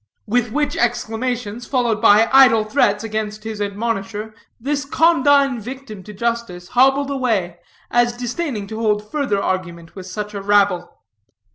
With which exclamations, followed by idle threats against his admonisher, this condign victim to justice hobbled away, as disdaining to hold further argument with such a rabble.